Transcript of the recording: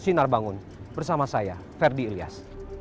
sinar bangun bersama saya ferdi ilyas